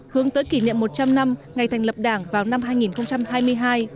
hướng tới kỷ niệm một trăm linh năm ngày thành lập đảng vào năm hai nghìn hai mươi hai